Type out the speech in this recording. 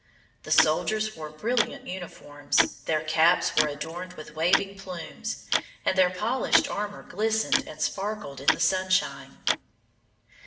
The soldiers wore brilliant uniforms, their caps were adorned with waving plumes, and their polished armor glistened and sparkled in the sunshine.